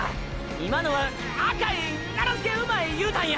今のは「赤い奈良漬けうまい」いうたんや！！